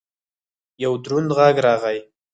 یو دروند غږ راغی!